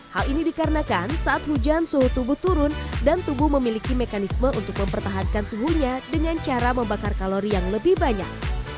hal ini dikarenakan saat hujan suhu tubuh turun dan tubuh memiliki mekanisme untuk mempertahankan suhunya dengan cara membakar kalori yang lebih banyak